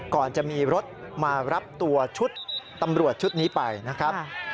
ก่อนจะมีรถมารับตัวชุดตำรวจชุดนี้ไปนะครับ